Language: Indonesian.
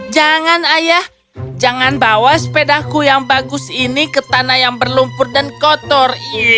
jangan ayah jangan bawa sepedaku yang bagus ini ke tanah yang berlumpur dan kotor